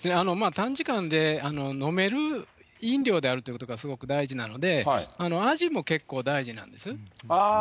短時間で飲める飲料であるということがすごく大事なので、味も結構大事なんです。